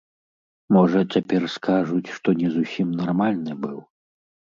Можа, цяпер скажуць, што не зусім нармальны быў?